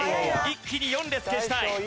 一気に４列消したい！